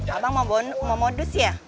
abang mau modus ya